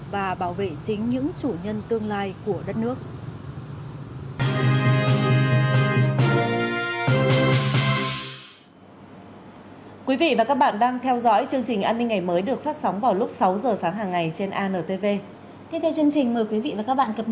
và bảo vệ chính những chủ nhân tương lai của đất nước